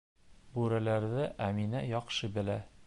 Бүреләрҙе Әминә яҡшы белә.